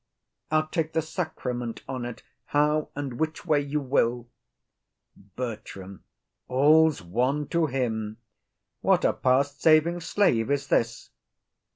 I'll take the sacrament on 't, how and which way you will. BERTRAM. All's one to him. What a past saving slave is this!